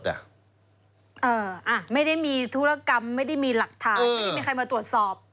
อ่ะไม่ได้มีธุรกรรมไม่ได้มีหลักฐานไม่ได้มีใครมาตรวจสอบ